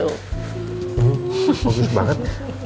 wuh bagus banget